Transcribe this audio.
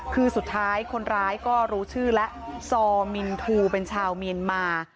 คือสุดท้ายคนร้ายก็รู้ชื่อแล้วซอมินทูเป็นชาวเมียนมา